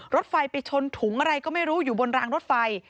รถไฟไปชนถุงอะไรก็ไม่รู้อยู่บนรางรถไฟ